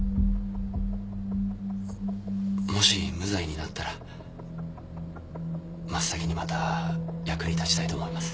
もし無罪になったら真っ先にまた役に立ちたいと思います。